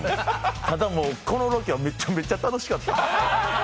ただもう、このロケはめちゃめちゃ楽しかった。